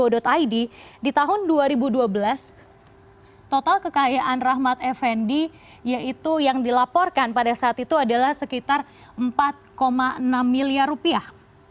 di tahun dua ribu dua belas total kekayaan rahmat effendi yaitu yang dilaporkan pada saat itu adalah sekitar empat enam miliar rupiah